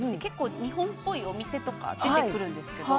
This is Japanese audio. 日本っぽいお店が出てくるんです。